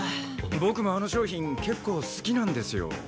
僕もあの商品結構好きなんですよ。